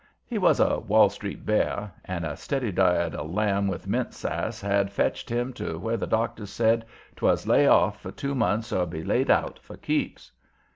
He was a Wall Street "bear," and a steady diet of lamb with mint sass had fetched him to where the doctors said 'twas lay off for two months or be laid out for keeps.